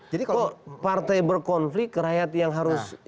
kok partai berkonflik rakyat yang harus